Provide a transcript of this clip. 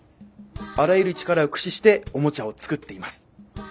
あらゆる力を駆使しておもちゃを作っています。